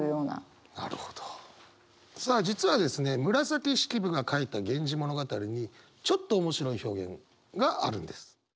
紫式部が書いた「源氏物語」にちょっと面白い表現があるんです。